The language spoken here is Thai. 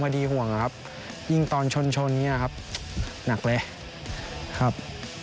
ดีห่วงนะครับยิ่งตอนชนชนอย่างนี้ครับหนักเลยครับ